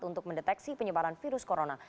untuk mendeteksi penyebaran virus corona